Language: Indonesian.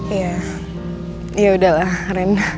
iya ya udahlah ren